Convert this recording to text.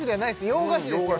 洋菓子ですよ